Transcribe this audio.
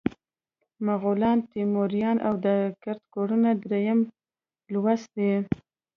مغولان، تیموریان او د کرت کورنۍ دریم لوست دی.